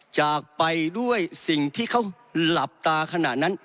จากไปด้วยสิ่งที่เขาหลับตาขณะนั้น